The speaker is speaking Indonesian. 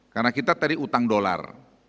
karena kita tadi utang dolar